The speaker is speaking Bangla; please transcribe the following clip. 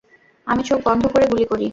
আমি চোখ বন্ধ করে গুলি করি।